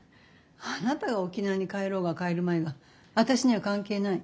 あなたが沖縄に帰ろうが帰るまいが私には関係ない。